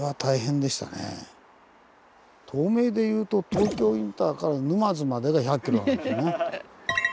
東名でいうと東京インターから沼津までが１００ｋｍなんですよね。